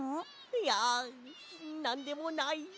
いやなんでもない。